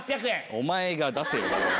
お前が出せよ。